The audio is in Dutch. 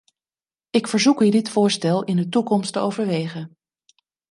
Ik verzoek u dit voorstel in de toekomst te overwegen.